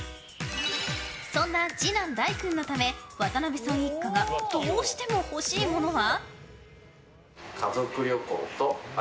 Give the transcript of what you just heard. そんな次男・大唯君のため渡邉さん一家がどうしても欲しいものは。